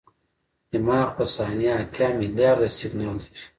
دماغ په ثانیه اتیا ملیارده سیګنال لېږي.